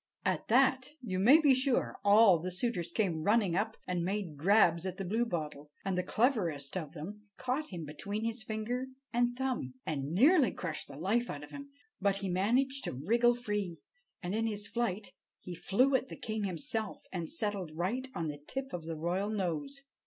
At that, you may be sure, all the suitors came running up, and made grabs at the Bluebottle; and the cleverest of them caught him between his finger and thumb and nearly crushed the life out of him. But he managed to wriggle free, and in his flight he flew at the king himself and settled right on the tip of the royal nose.